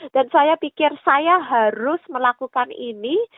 saya pikir saya harus melakukan ini